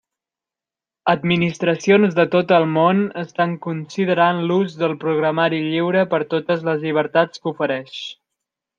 Administracions de tot el món estan considerant l'ús del programari lliure per totes les llibertats que ofereix.